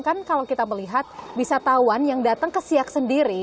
kan kalau kita melihat wisatawan yang datang ke siak sendiri